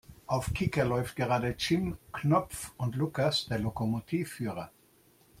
Auf Kika läuft gerade Jim Knopf und Lukas der Lokomotivführer.